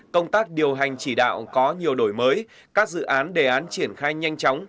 công tác điều hành chỉ đạo có nhiều đổi mới các dự án đề án triển khai nhanh chóng